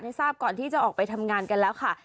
ทราบก่อนที่จะออกไปทำงานกันแล้วค่ะ